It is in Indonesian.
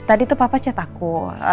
tadi tuh papa chat aku